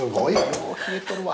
よう冷えとるわ。